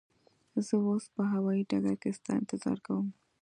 زه اوس به هوایی ډګر کی ستا انتظار کوم.